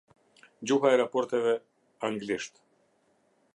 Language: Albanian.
Gjuha e raporteve Anglisht.